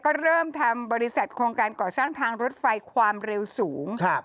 ก็เริ่มทำบริษัทโครงการก่อสร้างทางรถไฟความเร็วสูงครับ